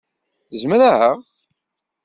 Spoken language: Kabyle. Zemreɣ?